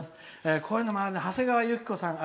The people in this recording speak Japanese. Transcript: こういうのもあるはせがわゆきこさん